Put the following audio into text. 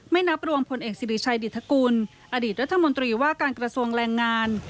นับรวมพลเอกสิริชัยดิตกุลอดีตรัฐมนตรีว่าการกระทรวงแรงงาน